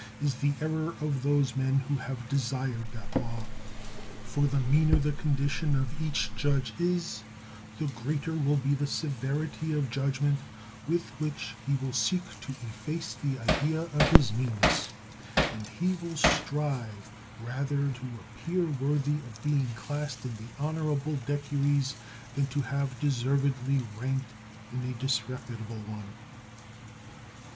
is the error of those men who have desired that law. For the meaner the condition of each judge is, the greater will be the severity of judg ment with which he will seek to efface the idea of his meanness ; and he will strive rather to ap pear worthy of being classed in the honorable decuries, than to have deservedly ranked in a dis reputable one.